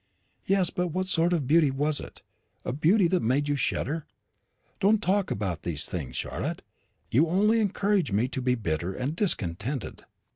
"Yes, but what sort of beauty was it? a beauty that made you shudder. Don't talk about these things, Charlotte; you only encourage me to be bitter and discontented.